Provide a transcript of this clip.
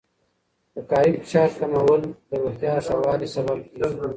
د کاري فشار کمول د روغتیا ښه والي سبب کېږي.